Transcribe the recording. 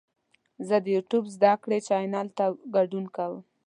زه د یوټیوب زده کړې چینل ته ګډون کوم.